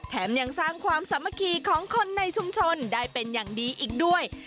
ยังสร้างความสามัคคีของคนในชุมชนได้เป็นอย่างดีอีกด้วย